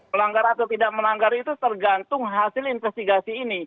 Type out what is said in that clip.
melanggar atau tidak melanggar itu tergantung hasil investigasi ini